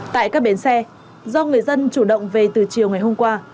tại các bến xe do người dân chủ động về từ chiều ngày hôm qua